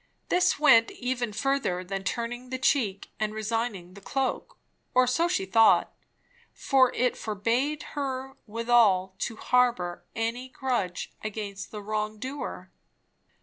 This went even further than turning the cheek and resigning the cloak; (or she thought so) for it forbade her withal to harbour any grudge against the wrong doer.